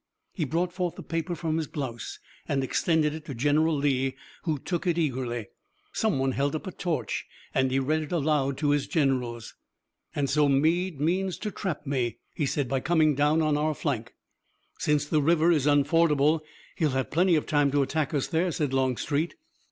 He brought forth the paper from his blouse and extended it to General Lee, who took it eagerly. Some one held up a torch and he read it aloud to his generals. "And so Meade means to trap me," he said, "by coming down on our flank!" "Since the river is unfordable he'll have plenty of time to attack us there," said Longstreet.